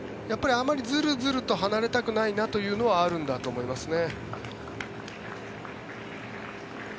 あまりズルズルと離れたくないなというのはあるんだと思いますね。